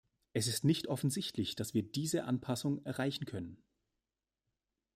Es ist nicht offensichtlich, dass wir diese Anpassung erreichen können.